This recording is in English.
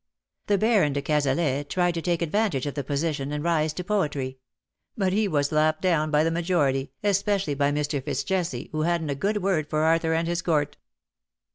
The Earon de Cazalet tried to 213 take advantage of the position, and to rise to poetry ; but he was laughed down by the majority, especially by Mr. FitzJessie, who hadn^t a good word for Arthur and his Court.